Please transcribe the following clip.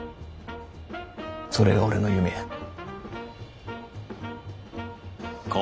それが俺の夢や。